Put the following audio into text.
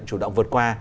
chủ động vượt qua